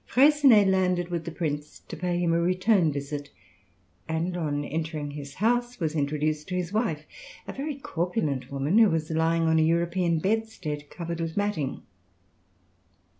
Freycinet landed with the prince, to pay him a return visit; and, on entering his house, was introduced to his wife, a very corpulent woman, who was lying on a European bedstead covered with matting.